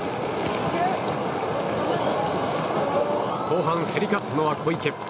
後半競り勝ったのは小池。